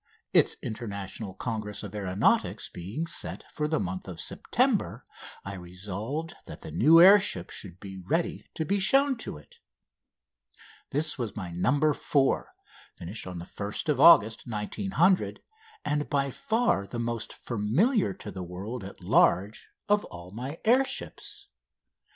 Its International Congress of Aeronautics being set for the month of September I resolved that the new air ship should be ready to be shown to it. This was my "No. 4," finished 1st August 1900, and by far the most familiar to the world at large of all my air ships.